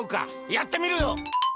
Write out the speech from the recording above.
やってみるよ！